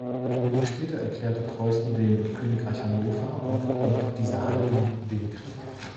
Wenig später erklärte Preußen dem Königreich Hannover auf Grund dieser Haltung den Krieg.